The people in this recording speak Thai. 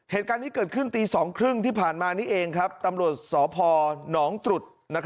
เหตุการณ์นี้เกิดขึ้นตี๒๓๐ที่ผ่านมานี้เองครับตำรวจสพหนองตรุษ